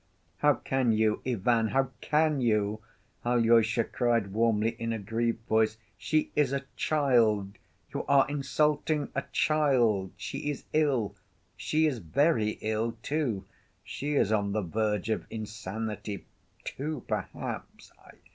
"How can you, Ivan, how can you?" Alyosha cried warmly, in a grieved voice. "She is a child; you are insulting a child! She is ill; she is very ill, too. She is on the verge of insanity, too, perhaps....